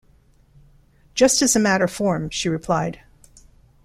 'Just as a matter of form,’ she replied.